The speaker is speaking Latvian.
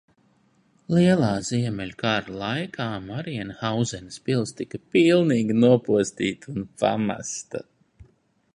Lielā Ziemeļu kara laikā Marienhauzenas pils tika pilnīgi nopostīta un pamesta.